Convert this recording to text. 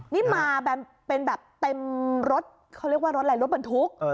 นี่มาเป็นแบบเต็มรถรถบรรทุก